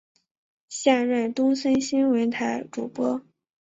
现任东森新闻台主播。